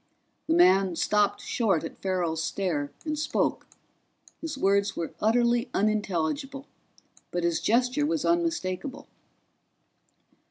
The man stopped short at Farrell's stare and spoke; his words were utterly unintelligible, but his gesture was unmistakable.